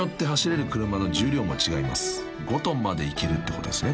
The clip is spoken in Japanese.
［５ｔまでいけるってことですねこれ］